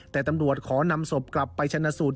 แต่ตำรวจขอนำศพกลับไปชนะสูตร